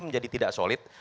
menjadi tidak solid